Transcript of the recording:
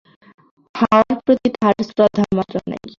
হাওয়ার প্রতি তাহার শ্রদ্ধামাত্র নাই।